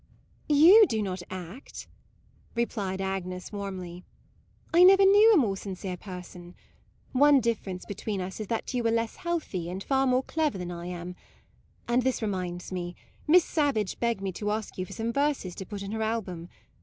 " You do not act," replied Agnes warmly; u I never knew a more sin MAUDE 39 cere person. One difference between us is that you are less healthy and far more clever than I am. And this reminds me. Miss Savage begged me to ask you for some verses to put in her album.